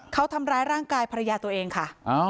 เขาทำร้ายร่างกายภรรยาตัวเองค่ะ